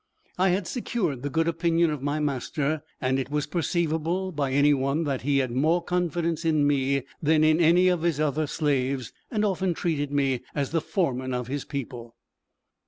I had secured the good opinion of my master, and it was perceivable by any one that he had more confidence in me than in any of his other slaves, and often treated me as the foreman of his people.